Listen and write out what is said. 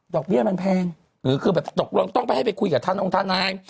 เบี้ยมันแพงหรือคือแบบตกลงต้องไปให้ไปคุยกับท่านองค์ทนาย